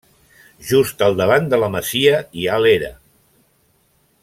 Just al davant de la masia hi ha l'era.